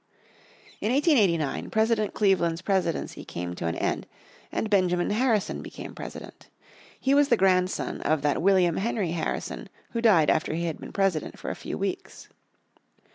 In 1889 President Cleveland's presidency came to an end, and Benjamin Harrison became President. He was the grandson of that William Henry Harrison who died after he had been President for a few weeks.